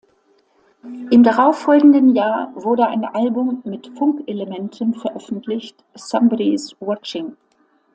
Im darauffolgenden Jahr wurde ein Album mit Funk-Elementen veröffentlicht, "Somebody’s Watching".